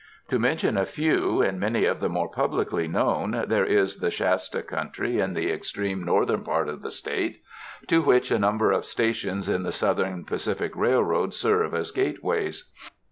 To mention a few in many of the more publicly known, there is the Shasta country in the extreme 75 UNDER THE SKY IN CALIFORNIA northern part of the State, to which a number of stations on the Southern Pacific Railroad serve as gateways.